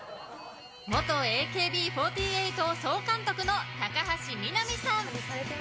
元ＡＫＢ４８総監督の高橋みなみさん。